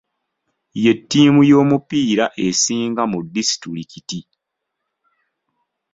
Ye ttiimu y'omupiira esinga mu disitulikiti.